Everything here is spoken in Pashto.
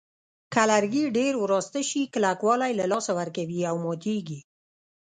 که لرګي ډېر وراسته شي کلکوالی له لاسه ورکوي او ماتېږي.